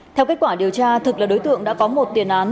theo kết quả điều tra thực là đối tượng đã có một tiền án